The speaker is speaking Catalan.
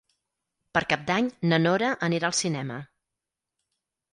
Per Cap d'Any na Nora anirà al cinema.